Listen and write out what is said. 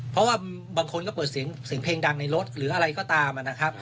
เพราะว่าบางคนก็เปิดเสียงเพลงดังในรถหรืออะไรก็ตามนะครับ